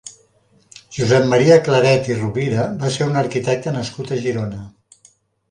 Josep Maria Claret i Rubira va ser un arquitecte nascut a Girona.